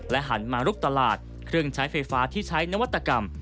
หันมาลุกตลาดเครื่องใช้ไฟฟ้าที่ใช้นวัตกรรม